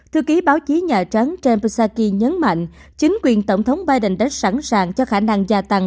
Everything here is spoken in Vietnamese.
thư ký báo chí nhà trắng jambosaki nhấn mạnh chính quyền tổng thống biden đã sẵn sàng cho khả năng gia tăng